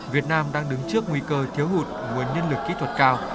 việt nam đang đứng trước nguy cơ thiếu hụt nguồn nhân lực kỹ thuật cao